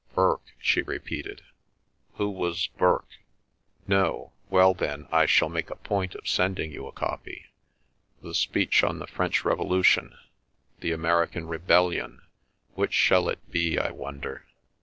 "Burke?" she repeated. "Who was Burke?" "No? Well, then I shall make a point of sending you a copy. The Speech on the French Revolution—The American Rebellion? Which shall it be, I wonder?"